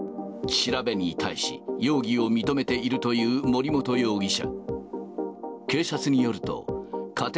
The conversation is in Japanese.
調べに対し、容疑を認めているという森本容疑者。